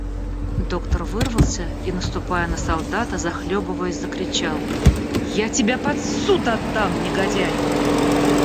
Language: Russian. Доктор вырвался и, наступая на солдата, захлебываясь, закричал: — Я тебя под суд отдам, негодяй!